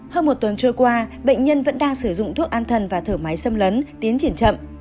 hơn một tuần trôi qua bệnh nhân vẫn đang sử dụng thuốc an thần và thở máy xâm lấn tiến triển chậm